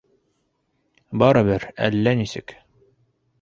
Барыбер әллә нисек.